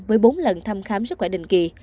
với bốn lần thăm khám sức khỏe đình kỳ